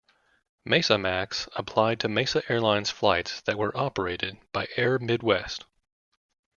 MesaMax applied to Mesa Airlines flights that were operated by Air Midwest.